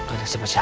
ada siapa siapa